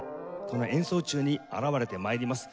この演奏中に現れて参ります。